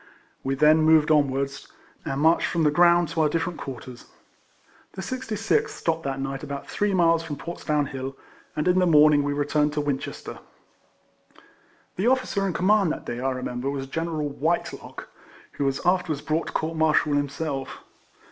We then moved onwards, and marched from the ground to our differ ent quarters. The 66th stopped that night about three miles from Portsdown Hill, and in the morning we returned to Winchester. The officer in command that day, I remem ber, was General Whitelock, who was after wards brought to court martial himself.